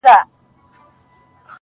خبره دومره ساده نه غوڅیږي